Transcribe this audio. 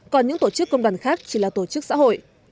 còn những tổ chức công đoàn khác chỉ là tổ chức xã hội